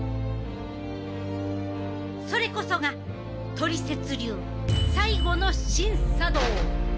それこそがトリセツ流最後のシン茶道！